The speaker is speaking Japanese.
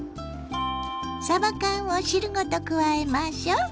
さば缶を汁ごと加えましょう。